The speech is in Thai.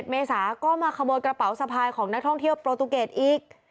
เมษาก็มาขโมยกระเป๋าสะพายของนักท่องเที่ยวโปรตูเกตอีก